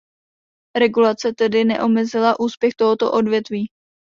Regulace tedy neomezila úspěch tohoto odvětví.